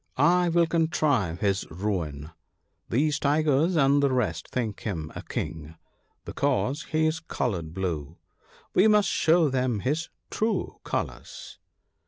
I will contrive his ruin. These tigers and the rest think him a King, be WAR. 101 cause he is coloured blue ; we must show them his true colours.